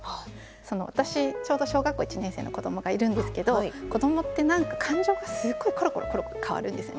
私ちょうど小学校１年生の子どもがいるんですけど子どもって何か感情がすごいコロコロコロコロ変わるんですね。